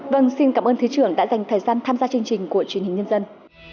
vâng xin cảm ơn thủ tướng đã dành thời gian tham gia chương trình của truyền hình nhân dân